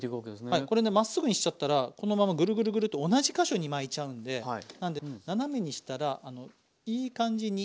はいこれねまっすぐにしちゃったらこのままグルグルグルと同じ箇所に巻いちゃうんでなんで斜めにしたらいい感じに。